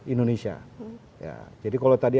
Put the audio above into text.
indonesia jadi kalau tadi